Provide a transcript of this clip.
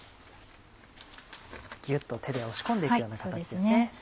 ギュっと手で押し込んで行くような形ですね。